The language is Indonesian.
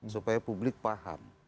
supaya publik paham